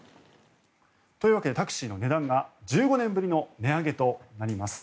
というわけでタクシーの値段が１５年ぶりの値上げとなります。